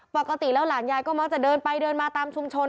ปกติแล้วหลานยายมนไปเดินมาตามชุมชน